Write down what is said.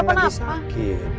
kamu kan lagi sakit